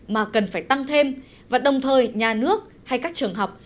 mà cần phải tăng thêm và đồng thời nhà nước hay các trường học